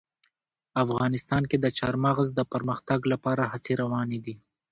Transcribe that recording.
افغانستان کې د چار مغز د پرمختګ لپاره هڅې روانې دي.